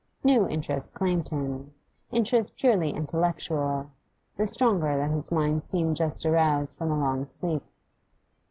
New interests claimed him, interests purely intellectual, the stronger that his mind seemed just aroused from a long sleep.